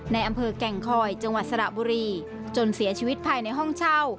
ในอำเภอแก่งคอยจังหวัดสระบุรีจนเสียชีวิตภายในห้องเช่า